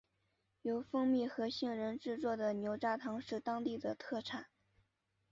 由蜂蜜和杏仁制作的牛轧糖是当地的特产。